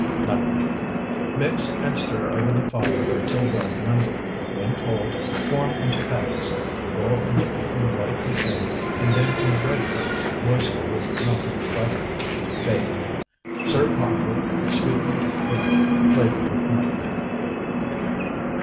Nutmeg. Mix, and stir over the fire till well blended; when cold, form into patties, roll in beaten white of egg, and then in bread crumbs moistened with melted butter. Bake. Serve hot with sweetened cream, flavored with nutmeg.